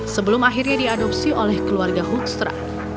sebelum akhirnya diadopsi oleh keluarga hoekstra